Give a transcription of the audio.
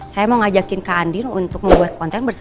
saya mau ngajakin kak andin untuk membuat konten bersama